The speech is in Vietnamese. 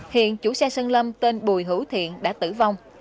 hiện chủ xe sơn lâm tên bùi hữu thiện đã tử vong